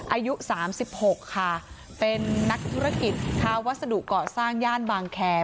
อายุ๓๖ค่ะเป็นนักธุรกิจค้าวัสดุเกาะสร้างย่านบางแคร์